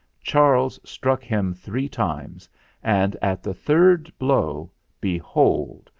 Charles struck him three times, and at the third blow, behold!